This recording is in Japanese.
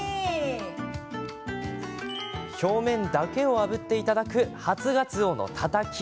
表面だけをあぶっていただく初がつおのたたき。